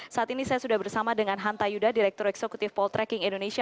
saat ini saya sudah bersama dengan hanta yuda direktur eksekutif poltreking indonesia